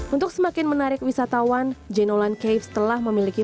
untuk semakin menarik wisatawan genelon caves telah memiliki